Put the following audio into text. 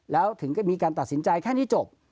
แล้วถึงก็มีการตัดสินใจแค่นี้จบ